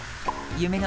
夢の